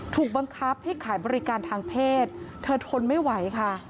ถูกบังคับให้ขายบริการทางเพศเธอทนไม่ไหวค่ะ